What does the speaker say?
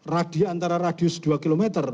radio antara radius dua km